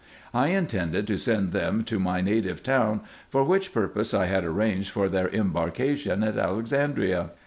I intended to send them to my native town ; for which purpose I had arranged for their embarkation at Alexandria.